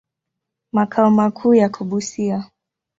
Makao makuu yako Busia.